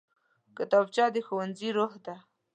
کتابچه د ښوونځي روح ده